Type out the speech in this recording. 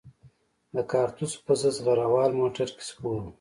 د کارتوسو په ضد زغره وال موټر کې سپور وو.